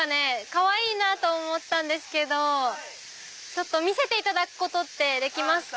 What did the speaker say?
かわいいなと思ったんですけど見せていただくことできますか？